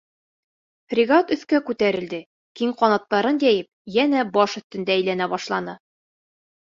Фрегат өҫкә күтәрелде, киң ҡанаттарын йәйеп, йәнә баш өҫтөндә әйләнә башланы.